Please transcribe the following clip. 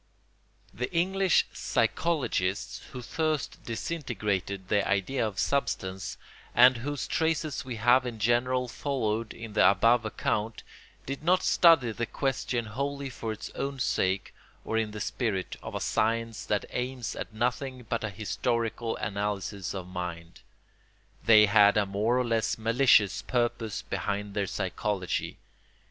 ] The English psychologists who first disintegrated the idea of substance, and whose traces we have in general followed in the above account, did not study the question wholly for its own sake or in the spirit of a science that aims at nothing but a historical analysis of mind. They had a more or less malicious purpose behind their psychology.